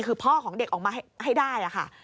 คือพ่อของเด็กออกมาให้ได้ค่ะ